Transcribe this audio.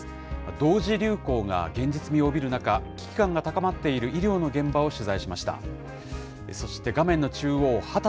同時流行が現実味を帯びる中、危機感が高まっている医療の現場を取材しました。